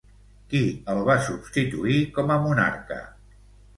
Qui el va substituir com a monarca?